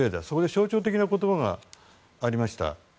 象徴的な言葉がありました。